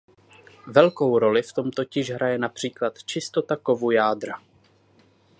Velkou roli v tom totiž hraje například čistota kovu jádra.